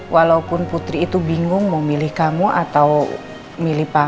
walaupun putri itu bingung mau milih kamu atau milih kamu